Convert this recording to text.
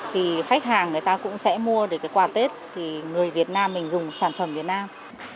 thì khách hàng người ta cũng sẽ mua để cái quà tết thì người việt nam mình dùng sản phẩm việt nam